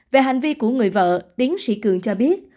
về hành vi của người vợ tiến sĩ cường cho biết